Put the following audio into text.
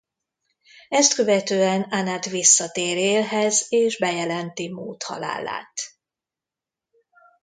Ezt követően Anat visszatér Élhez és bejelenti Mót halálát.